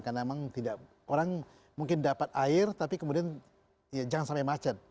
karena memang tidak orang mungkin dapat air tapi kemudian ya jangan sampai macet